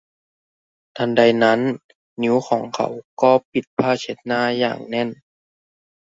ทันใดนั้นนิ้วของเขาก็ปิดผ้าเช็ดหน้าอย่างแน่น